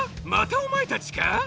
またおまえたちか？